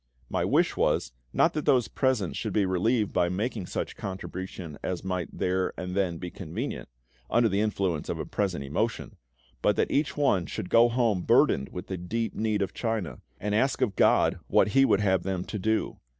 My wish was, not that those present should be relieved by making such contribution as might there and then be convenient, under the influence of a present emotion; but that each one should go home burdened with the deep need of China, and ask of GOD what He would have them to do.